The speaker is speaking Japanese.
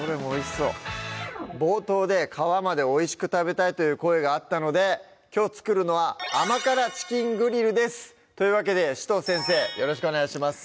冒頭で皮までおいしく食べたいという声があったのできょう作るのは「甘辛チキングリル」ですというわけで紫藤先生よろしくお願いします